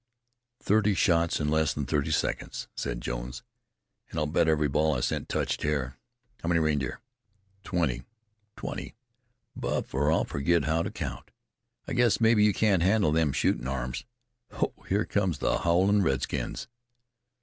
"Thirty shots in less than thirty seconds," said Jones, "An' I'll bet every ball I sent touched hair. How many reindeer?" "Twenty! twenty! Buff, or I've forgot how to count. I guess mebbe you can't handle them shootin' arms. Ho! here comes the howlin' redskins."